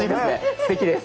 すてきです。